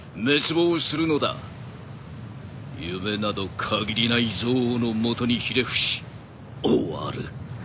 夢など限りない憎悪の下にひれ伏し終わる。